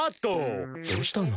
どうしたの？